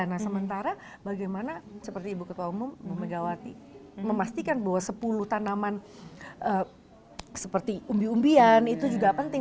nah sementara bagaimana seperti ibu ketua umum bu megawati memastikan bahwa sepuluh tanaman seperti umbi umbian itu juga penting